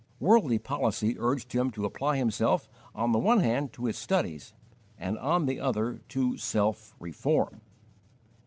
Worldly policy urged him to apply himself on the one hand to his studies and on the other to self reform.